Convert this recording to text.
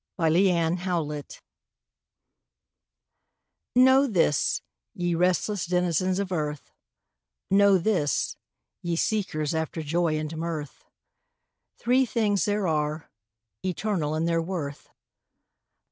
THREE THINGS Know this, ye restless denizens of earth, Know this, ye seekers after joy and mirth, Three things there are, eternal in their worth.